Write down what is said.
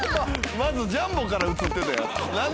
「まずジャンボから映ってたやん」